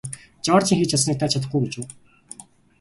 Жоржийн хийж чадсаныг та чадахгүй гэж үү?